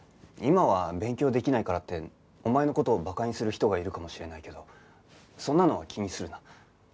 今は勉強できないからってお前の事をバカにする人がいるかもしれないけどそんなのは気にするな。